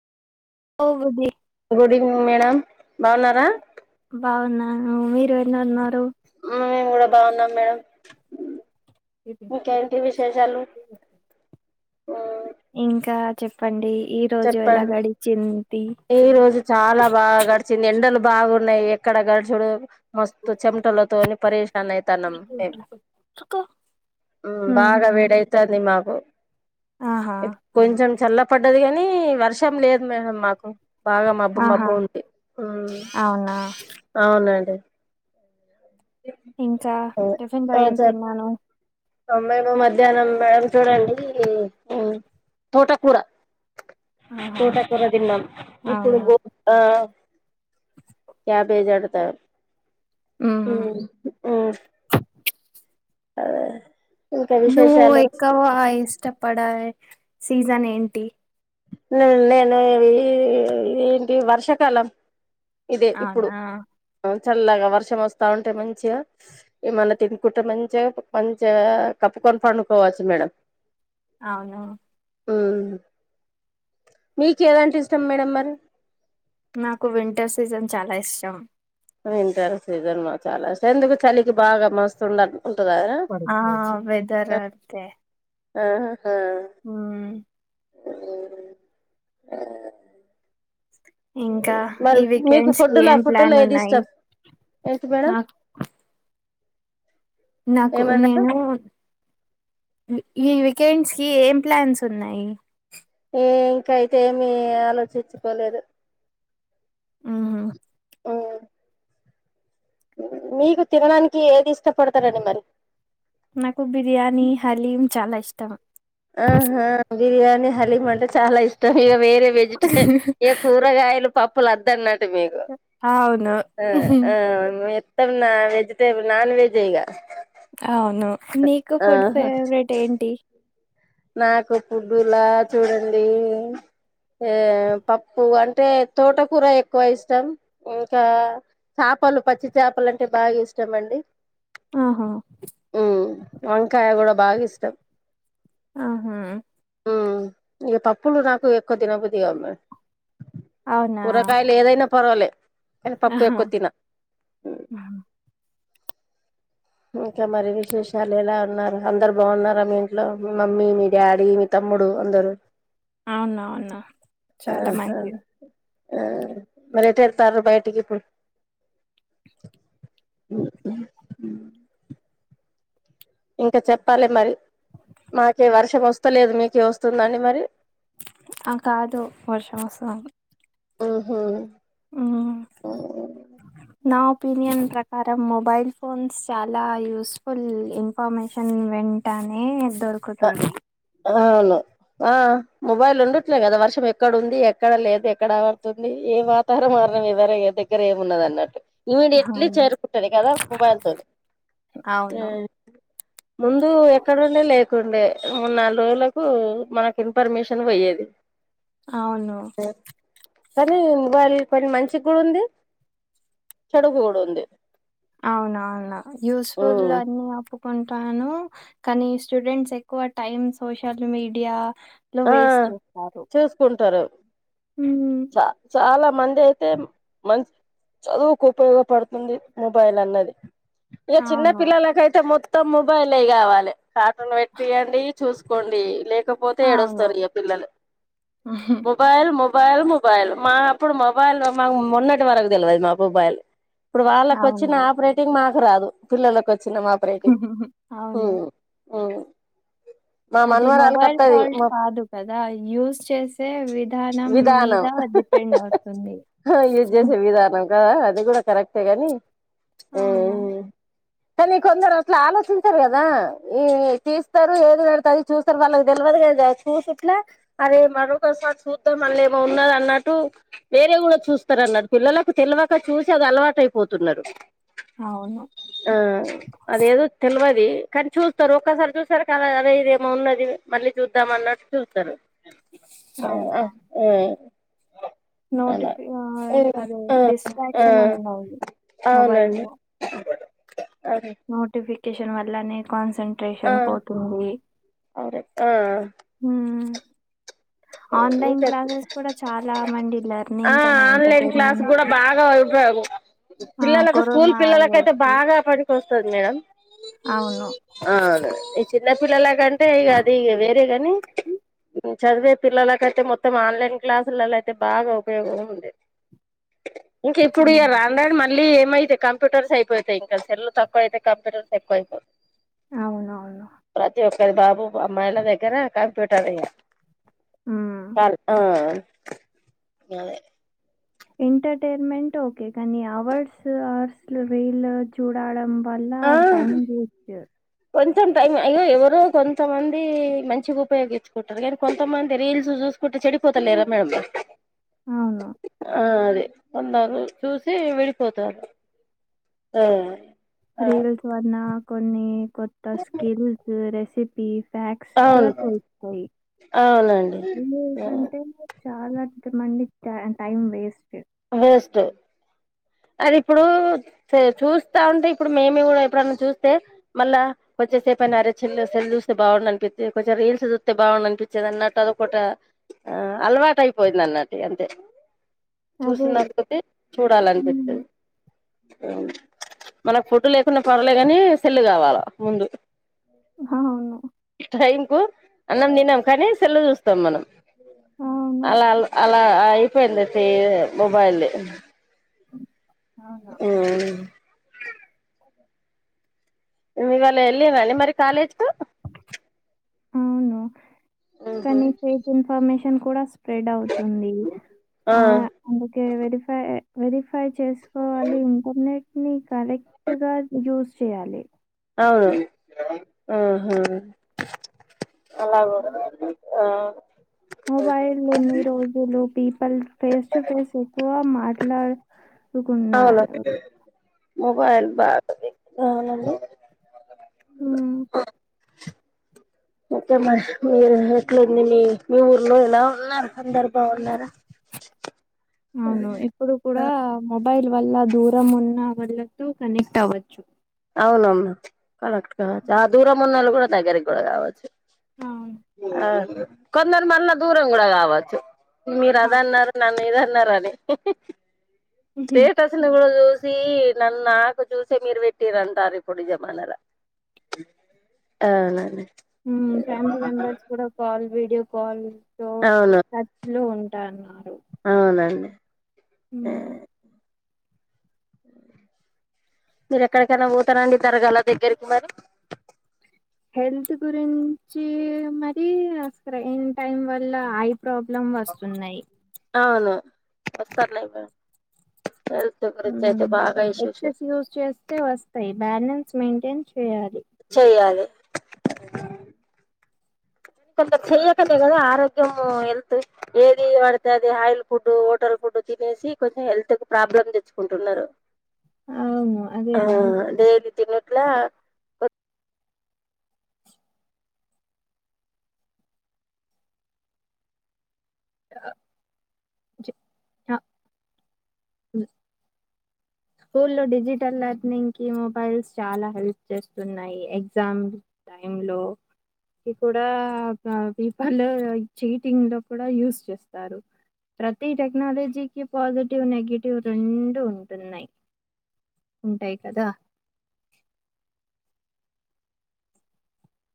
Over బి good evening madam బాగున్నారా బాగున్నా మీరు ఎన్న ఉన్నారు ఆ మేము కూడా బాగున్నాం మేడం ఇంకేంటి విశేషాలు ఇంకా చెప్పండి ఈ రోజు ఎలా చెప్పండి గడిచింది ఈ రోజు చాలా బాగా గడిచింది ఎండలు బాగున్నాయి ఎక్కడ గడిచుడు మస్తు చెమటలతో నే పరషాన్ ఆయతాన్నాం మేం మ్ బాగా ఉహు వేడైతది మాకు ఆహా కొంచెం చల్ల పడ్డది కాని వర్షం లేదు మేడం మాకు బాగా మబ్బు మబ్బు ఆహా ఉంది, మ్ అవునా అవునండి ఇంకా టిఫిన్ బై ఏం తిన్నాను తొంభై మూ మధ్యాహ్నం మేడం చూడండి తోటకూర ఆహా తోటకూర తిన్నాం ఇప్పుడు అవునా గో ఆ క్యాబేజ్ వాడతా, ఉహు మ్ అ నువ్వు ఎక్కువ ఇష్టపడ సీజన్ ఏంటి? నేను ఎల్లి ఏంటి వర్షాకాలం ఇదే ఇప్పుడు అవునా చల్లాగా వర్షం వస్తా ఉంటే మంచిగా ఏమన్న తినుకుంట మంచిగా మంచిగా కప్పుకొని పండుకోవచ్చు మేడం అవును మ్మ్ మీకు ఏదంటే ఇష్టం మేడం మరి నాకు వింటర్ సీజన్ చాలా ఇష్టం వింటర్ సీజన్ లో చాలా ఇష్టం ఎందుకు చలికి బాగా మస్తుండాలి ఉంటద రా ఆ వెదర్ అంతే ఆహా ఉమ్ మ్మ్ మ్మ్ ఇంకా మరి ఈ మీకు వీకెండ్స్ కి ఫుడ్లా ఏం ఫుడ్లో ప్లాన్ ఏది ఉన్నాయి ఇష్టం ఏంటి మేడం నాకు నాకు ఏమన్నారు నేను ఈ వీకెండ్స్ కి ఏం ప్లాన్స్ ఉన్నాయి ఈ వీక్ అయితే మేము ఏం ఆలోచించుకోలేదు ఆహా మీకు తినడానికి ఏది ఇష్టపడతారండి మరి నాకు బిర్యానీ హలీం చాలా ఇష్టం ఆహా బిర్యానీ హలీం అంటే చాలా ఇష్టం ఇగ వేరే వే [unintelligible] ఏ కూరగాయలు పప్పులు వద్దన్న మీరు అవును ఆ ఆ మీర్ తర్ నాన్ వెజిటె నాన్ వెజ్ ఏ ఇంగ అవును నీకు ఫుడ్ ఆహా ఫేవరెట్ ఏంటి నాకు ఫుడ్డులా చూడండి ఏ పప్పు అంటే తోట కూర ఎక్కువ ఇష్టం ఇంకా చాపలు పచ్చి చాపలు అంటే బాగా ఇష్టం అండి ఆహా మ్మ్ వంకాయ కూడా బాగా ఇష్టం ఆహా మ్మ్ ఇగ పప్పులు నాకు ఎక్కువ తిన బుద్ధిగావు మే అవునా కూరగాయలు ఏదైనా పర్వాలే కానీ పప్పు ఆహా ఎక్కువ తిన ఇంకా మరి విశేషాలు ఎలా ఉన్నారు అందరు బాగున్నారా మీ ఇంట్లో మమ్మీ మీ డాడీ మీ తమ్ముడు అందరు అవునవును చాలా ఆహ మంచిది ఆ మారిటెల్తారు బయటికి ఇప్పుడు మ్మ్ మ్మ్ ఇంకా చెప్పాలె మరి మాకే వర్షం వస్తలేదు మీకే వస్తుందండి మరి ఆ కాదు వర్షం వస్తంది హ్మ్ హు మ్మ్ నా ఒపీనియన్ ప్రకారం మొబైల్ ఫోన్స్ చాలా యూస్ఫుల్ ఇం న్ఫర్మేషన్ వెంటనే దొరుకుతుంది అవును ఆ మొబైల్ ఉండట్లే కదా వర్షం ఎక్కడ ఉంది ఎక్కడ లేదు ఎక్కడ పడుతుంది ఏ వా తర మారణం వివర దగ్గర ఏమున్నదన్నట్టు ఇమీడియట్లీ అవును చేరుకుంటుడు కదా మొబైల్ తోనే అవును. ముందు ఎక్కడండే లేకుండే మూడు నాలుగు రోజులకు మనకి ఇన్ఫర్మేషన్ పోయ్యేది అవును కానీ ఇవాళ కొన్ని మంచి కూడా ఉంది చదువు కూడా ఉంది అవునవును యూస్ఫుల్ అన్ని అప్పు ఉంటాను కానీ స్టూడెంట్స్ ఎక్కువ టైమ్ సోషల్ మీడియా లో ఆ వేస్ట్ చేస్తారు చూసుకుంటారు [inaudible] ఉ చ చాలా మంది అయితే మంచి చదువుకు ఉపయోగపడుతుంది మొబైల్ అన్నది ఇక చిన్న అవును పిల్లలకైతే మొత్తం మొబైలే కావాలి కార్టూన్ పెట్టియండి చూసుకోండి లేకపోతే అవును ఏడొస్తారు ఇక పిల్లలు మొబైల్ మొబైల్ మొబైల్ మా అప్పుడు మొబైల్ మా మొన్నటి వరకు తెలివది మా మొబైల్ ఇప్పుడు వాళ్ళకి వచ్చిన అవును ఆపరేటింగ్ మాకు రాదు పిల్లలకు వచ్చిన మా అవును మా అది మనవరాలకు మొబైల్ వత్తది ఫాల్ట్ కాదు కదా యూస్ చేస్ వే విధానం మీద విధానం డిపెండ్ అవుతుంది యూజ్ చేసే విధానం అది కూడా కరెక్టే గాని ఉ అవునా కానీ కొందరు అట్లు ఆలోచించరు కదా ఈ తీస్తారు ఏది పడితే అది చూస్తారు వాళ్ళకు తెలివదు కదా చూసుట్లా అరే మరొకసార్ చూద్దా మళ్ళ ఏమో ఉన్న అన్నట్టు వేరే కూడా చూస్తారన్నారు పిల్లలకు తెలివక చూసి అది అలవాటయిపోతున్నారు అవును ఆ అదేదో తెలివది కానీ చూస్తారు ఒక్కసారి చూసారు కదా అదే ఇదేమో ఉన్నది మళ్ళీ చూద్దాం అన్నట్ ఏ నోటిఫ అదే ఆ. డిస్ట్రాక్షన్ ఉండాలి మొబైల్ లో అ నోటిఫికేషన్ వల్లనే ఆ, కాన్సన్ంట్రేషన్ పోతుంది అవును ఆ. ఉ కూడా చాలా మంది [inaudible] ఆ లెర్నింగ్ కన్నా ఆన్లైన్ క్లాస్ ఎంటర్టైన్మెంట్ కూడా బాగా ఉపపయోగం ఆ పిల్లలకు స్కూల్ కరోనా పిల్లలకయితే అవ్వచ్చు. బాగా పడి కోస్తాది మేడం అవును. ఆ ఈ చిన్న పిల్లల కంటే ఈ అదిగ ఇవి తే గాని చదివే పిల్లలకయితే మొత్తం ఆన్లైన్ క్లాసులలో అయితే బాగా ఉపయోగం ఉండే ఇంక ఇప్పుడు ఇగ అవును. రాన్ రాను ఇళ్లి ఏమైతే కంప్యూటర్స్ అయిపోతాయ్ ఇంకా సెల్ తక్కువయితాయ్ కంప్యూర్స్ ఎక్కువైపో అవునవును ప్రతి ఒక్కరి బాబు అమ్మాయిల దగ్గర కంప్యూటర్ ఇగ హ్మ్. చాలు ఆ [inaudible] ఎంటర్టైన్మెంట్ ఓకే కానీ అవర్స్ అవర్స్ వీల్ చూడడం వల్ల ఆ టైం వేస్ట్ కొంచెం టైం అయినా ఎవరు కొంతమంది మంచిగా ఉపయోగించుకుంటారు కానీ కొంతమంది రీల్స్ చూసు కుట చెడిపోత లేరా మేడం అవును ఆ అదే కొందరు చూసి విడిపోతారు ఆ ఆ రీల్స్ వల్ల కొన్ని కొత్త స్కిల్స్ రెసిపీ ఫ్యాక్స్ కూడా అవును [unintelligible] స్తాయి అవునండి [inaudible] ఏంటంటే చాలా అద్భుతమండి టై టైం వేస్ట్ వేస్ట్ అది ఇప్పుడు చూ చూస్తా ఉంటే ఇప్పుడు మేమి కూడా ఎప్పుడన్నా చూస్తే మళ్ళా కొంచెంేపుయి అరే చెల్ సేల్ చూస్తే బాగుండి అనిపిిది కొంచెం రీల్స్ చూస్తే బాగుం అనిపిిది అన్నట్టు అదొకట ఆ అలవాటు అయిపోయింది అన్నటి అంతే అదే. చూసినకొద్ది చూడాలనిపి హ్మ్. అవును మనకు ఫుడ్ లేకుండా పర్లే గాని సెల్ కావాల ముందు హ అవును టైం కు అన్నం తిన్నాం కానీ సెల్ల చూస్తాం మనం అ అవును. అలా అల్ అలా అయిపోయింది సే మొబైల్ది అవును ఉ ఇవ ఇవ్వాలా ఎల్లిండ్రా అండి మరి కాలేజ్ కు అవును కనీ ఫేక్ ఇన్ఫర్మషన్ కూడా స్ప్రెడ్ అవుతుంది ఆ అందుకే వెరిఫై వెరిఫై చేసు కోవాలి ఇంటర్నెట్ ని కరెక్ట్ గా యూస్ చేయాలి అవును ఉహు అలాగూడా ఆ మొబైల్న్ని రోజులు పీపుల్ ఫేస్ టు ఫేస్ ఎక్కువ మా అవును ట్లాకుతున్నారు మొబైల్ బాగా [unintelligible] నండి ఉ ఓకే మరి మీరు ఎట్లంది మీ మీ ఊర్లో ఎలా ఉన్నారు అందర్ బాగున్నారా అవును ఎప్పుడు కూడా మొబైల్ వల్ల దూరం ఉన్న వళ్లతో కనెక్ట్ అవ్వచ్చు అవునమ్మా కరెక్ట్ కావచ్చు ఆ దూరం ఉన్నళ్ళు కూడా దగ్గరికి గూడా గావచ్చు అవును. ఆ కొందరు మళ్ళ దూరం గూడా గావచ్చు మీరు అది అన్నారు నన్ను ఇదన్నరాని అవును. స్టేటస్న్ గూడా చూసి నన్న నాకు చూసే మీరు పెట్టటిరంటార ఇప్పడి జమానల అవునండి హ్మ్ ఫ్యామిలీ మెంబర్స్ కూడా కాల్ వీడియో కాల్లు అవును లో ఉంటా అన్నారు అవునండి మీరు ఎక్కడికైనా పోతారంండి తరగాల దగ్గరకి మరి హెల్త్ గురించి మరి అక్కడ ఇన్ టైం వల్ల ఐ ప్రాబ్లం వస్తున్నాయి అవును వస్తున్నాయి గాదా హెల్త్ గురించి హ్మ్ అయితే బాగా ఇష్యూ ఇష్యూస్ ఎక్సెస్ యూజ్ చేస్తే వస్తాయి బ్యాలెన్స్ మెయింటైన్ చేయాలి చేయాలి కొంచం చెయకనే కదా ఆరోగ్యము హెల్త్ ఏది పడితే అది ఆయిల్ ఫుడ్, హోటల్ ఫుడ్ తినేసి కొంచెం హెల్త్ కి ప్రాబ్లమ్ తెచ్చుకుంటున్నరు. అవును ఆ అదేనా డైలీ తినట్లా ఆ జె ఆ ఉ స్కూల్లో డిజిటల్ లెర్నింగ్ కి మొబైల్స్ చాలా హెల్ప్ చేస్తున్నాయి. ఎగ్జామ్ టైంలో కి కూడా ఆ పీపర్లో చీటింగ్ లో కూడా యూస్ చేస్తారు. ప్రతి టెక్నాలజీకి పాజిటివ్ నెగిటివ్ రెండు ఉంటున్నాయి. ఉంటాయి కదా